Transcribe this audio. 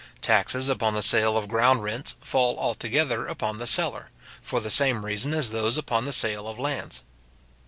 Taxes upon the sale of ground rents fall altogether upon the seller, for the same reason as those upon the sale of lands.